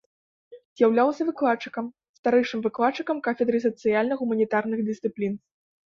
З'яўлялася выкладчыкам, старэйшым выкладчыкам кафедры сацыяльна-гуманітарных дысцыплін.